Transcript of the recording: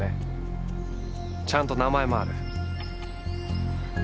ちゃんと名前もある。